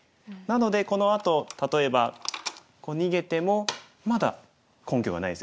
なのでこのあと例えばこう逃げてもまだ根拠がないですよね。